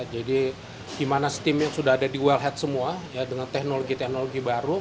jadi di mana steamnya sudah ada di wellhead semua dengan teknologi teknologi baru